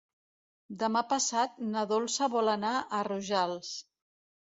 Demà passat na Dolça vol anar a Rojals.